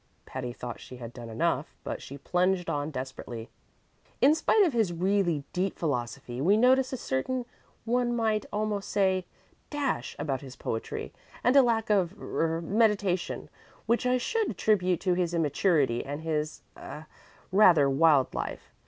Patty thought she had done enough, but she plunged on desperately: "In spite of his really deep philosophy we notice a certain one might almost say dash about his poetry, and a lack of er meditation which I should attribute to his immaturity and his a rather wild life.